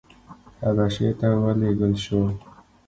حبشې ته ولېږل شو.